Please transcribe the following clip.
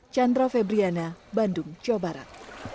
chandra febriana bandung jawa barat